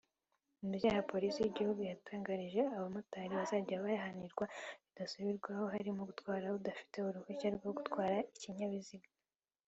Mu byaha Polisi y’igihugu yatangarije abamotari bazajya bahanirwa bidasubirwaho harimo Gutwara udafite uruhushya rwo gutwara ikinyabiziga